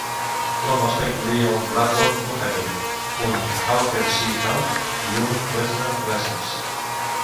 La mostra incloïa un Blackburn Buccaneer, un Hawker Sea Hawk i un Westland Wessex.